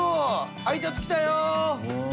配達来たよ！